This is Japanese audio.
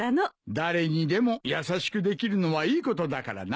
誰にでも優しくできるのはいいことだからな。